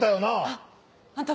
あっあんた